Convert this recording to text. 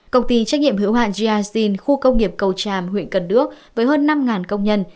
công ty trách nhiệm hữu hạn gyashin khu công nghiệp cầu tràm huyện cần đước với hơn năm công nhân